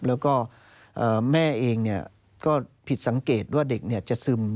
แล้วก็แม่เองก็ผิดสังเกตว่าเด็กจะซึม